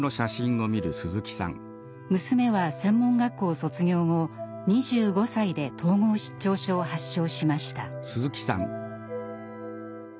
娘は専門学校を卒業後、２５歳で統合失調症を発症しました。